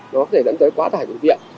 nó có thể dẫn tới quá thải của viện